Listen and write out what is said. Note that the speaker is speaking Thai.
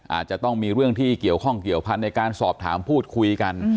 อาจจะต้องมีเรื่องที่เกี่ยวข้องเกี่ยวพันธุ์ในการสอบถามพูดคุยกัน